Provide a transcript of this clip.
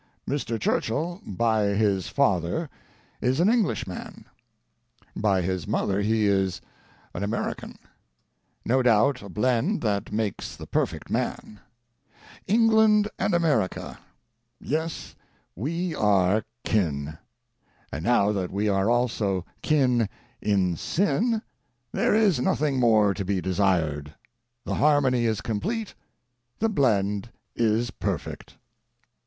Mr. Churchill, by his father, is an Englishman; 128 Digitized by VjOOQ IC CHINA AND THE PHILIPPINES by his mother he is an American — no doubt a blend that makes the perfect man. England and America; yes, we are kin. And now that we are also kin in sin, there is nothing more to be de sired. The harmony is complete, the blend is per fect.